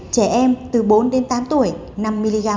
trẻ em từ bốn tám tuổi năm mg một ngày